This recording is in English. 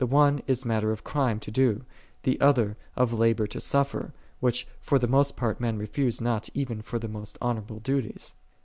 one is matter of crime to do, the other of labor to suffer, which for the most part men refuse not even for the most honorable duties.